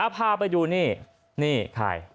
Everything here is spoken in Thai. พาไปดูนี่นี่ใคร